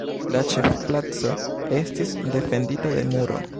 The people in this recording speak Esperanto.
La ĉefplaco estis defendita de muro.